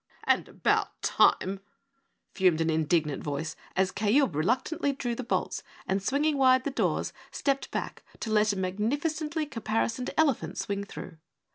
"And about time," fumed an indignant voice, as Kayub reluctantly drew the bolts and, swinging wide the doors, stepped back to let a magnificently caparisoned elephant swing through.